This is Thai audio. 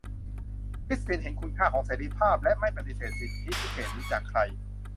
คริสตินเห็นคุณค่าของเสรีภาพ และไม่ปฎิเสธสิทธิพิเศษนี้จากใคร